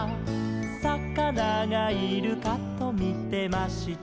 「さかながいるかとみてました」